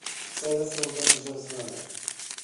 Cele są dobrze znane